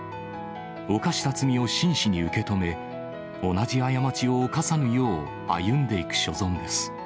犯した罪を真摯に受け止め、同じ過ちを犯さぬよう歩んでいく所存です。